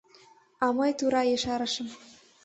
А мый тура ешарышым: